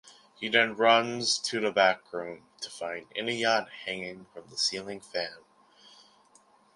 He then runs to the backroom to find Inayat hanging from the ceiling fan.